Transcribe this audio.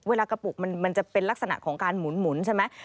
กระปุกมันจะเป็นลักษณะของการหมุนใช่ไหม